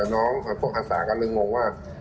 น้องพวกอาสาก็เลยงงว่า